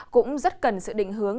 cũng rất cần sự định hướng